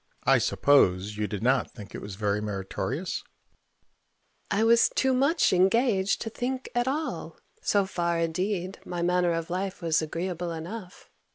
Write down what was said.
I suppose you did not think it was very meritorious? Mrs. Modish. I was too much engaged to think at all: so far indeed my manner of life was agreeable enough.